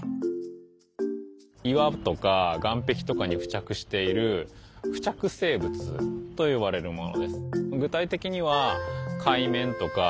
岩とか岸壁とかに付着している付着生物といわれるものです。